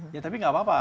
ya tapi enggak apa apa